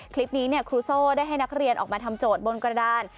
คลิปนี้ครูโซ่ได้ให้นักเรียนออกมาทำโจทย์บนกระดาน